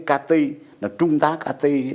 cá tây là trung tá cá tây ấy